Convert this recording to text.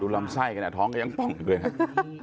ลำไส้กันอะท้องกันเบียงตรงทุกเอวนะ